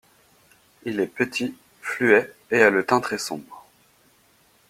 Il est petit, fluet, et a le teint très sombre.